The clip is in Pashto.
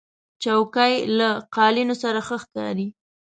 چوکۍ له قالینو سره ښه ښکاري.